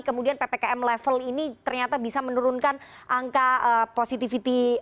kemudian ppkm level ini ternyata bisa menurunkan angka positivity